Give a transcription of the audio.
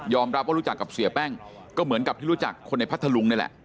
รับว่ารู้จักกับเสียแป้งก็เหมือนกับที่รู้จักคนในพัทธลุงนี่แหละ